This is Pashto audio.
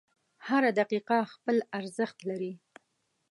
• هره دقیقه خپل ارزښت لري.